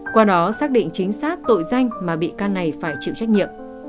qua đó xác định chính xác tội danh mà bị can này phải chịu trách nhiệm